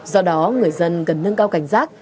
do đó người dân cần nâng cao cảnh giác